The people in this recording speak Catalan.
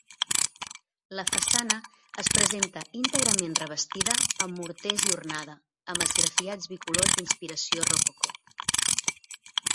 La façana es presenta íntegrament revestida amb morters i ornada amb esgrafiats bicolors d'inspiració rococó.